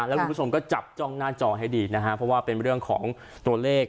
แล้วคุณผู้ชมก็จับจ้องหน้าจอให้ดีนะฮะเพราะว่าเป็นเรื่องของตัวเลข